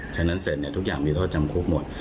ฉะนั้นเสร็จทุกอย่างมีโทษจำคุกหมด